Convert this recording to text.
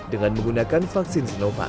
dengan menggunakan vaksin sinovac